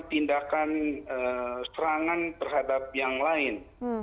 tindakan serangan terhadap yang lain